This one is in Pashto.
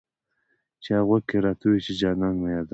چا غوږ کې راته وویې چې جانان مه یادوه.